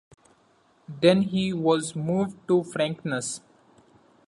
Then he was moved to frankness.